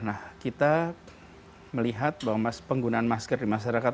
nah kita melihat bahwa penggunaan masker di masyarakat